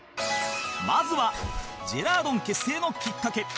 まずはジェラードン結成のきっかけ